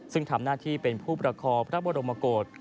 ซึ่งทำหน้าที่เป็นผู้ประคองพระบรมโกศ